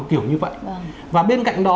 kiểu như vậy và bên cạnh đó